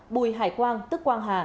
bùi hải quang tức quang hà